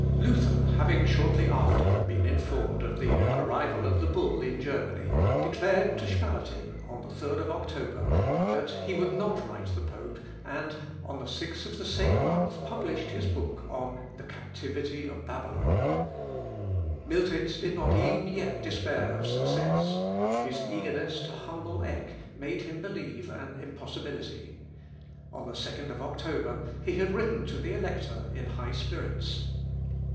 ] Luther having shortly after been informed of the arrival of the bull in Germany, declared to Spalatin, on the 3rd of October, that he would not write the pope, and, on the 6th of the same month, published his book on the 'Captivity of Babylon.' Miltitz did not even yet despair of success. His eagerness to humble Eck made him believe an impossibility. On the 2nd of October, he had written the Elector, in high spirits.